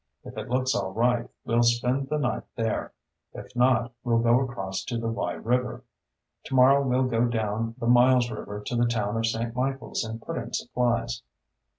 If it looks all right, well spend the night there. If not, we'll go across to the Wye River. Tomorrow we'll go down the Miles River to the town of St. Michaels and put in supplies."